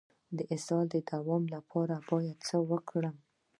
د اسهال د دوام لپاره باید څه وکړم؟